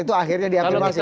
itu akhirnya diaklimatkan